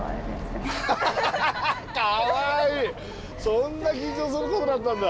そんな緊張することだったんだ！